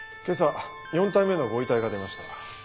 今朝４体目のご遺体が出ました。